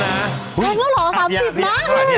นั่นก็เหรอ๓๐บาทนะ